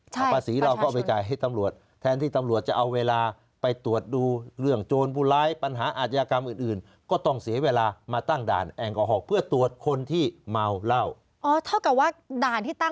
เท่ากับว่าด่านที่ตั้งขึ้นมานี่